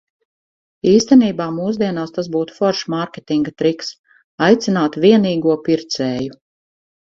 Īstenībā, mūsdienās tas būtu foršs mārketinga triks - aicināt vienīgo pircēju.